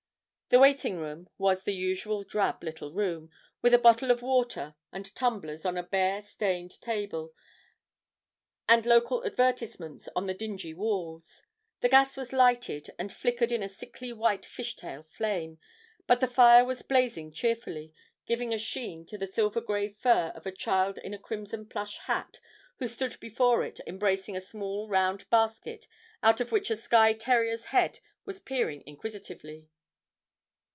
The waiting room was the usual drab little room, with a bottle of water and tumblers on a bare stained table, and local advertisements on the dingy walls; the gas was lighted, and flickered in a sickly white fishtail flame, but the fire was blazing cheerfully, giving a sheen to the silver grey fur of a child in a crimson plush hat who stood before it embracing a small round basket out of which a Skye terrier's head was peering inquisitively.